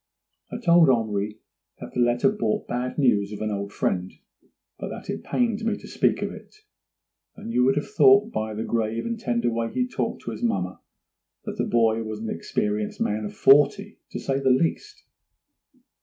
I told Henri that the letter brought bad news of an old friend, but that it pained me to speak of it; and you would have thought by the grave and tender way he talked to his mamma that the boy was an experienced man of forty, to say the least.